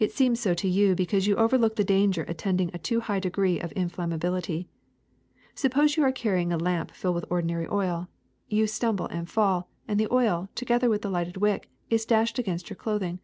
'^It seems so to you because you overlook the danger attending a too high degree of inflammabil ity. Suppose you are carrying a lamp filled with ordinary oil; you stumble and fall, and the oil, to gether with the lighted wick, is dashed against your clothing.